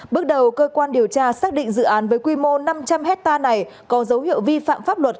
bước đầu cơ quan điều tra xác định dự án với quy mô năm trăm linh hectare này có dấu hiệu vi phạm pháp luật